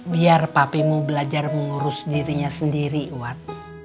biar papimu belajar mengurus dirinya sendiri wat